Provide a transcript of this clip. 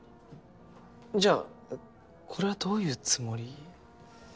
じゃあこれはどういうつもり？